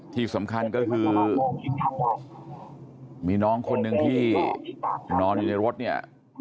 ที่สำคัญก็คือมีน้องคนหนึ่งที่นอนอยู่ในรถเนี่ย